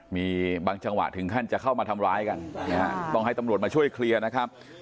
มีบางจังหวะถึงขั้นจะเข้ามาทำร้ายกันนะฮะต้องให้ตำรวจมาช่วยเคลียร์นะครับ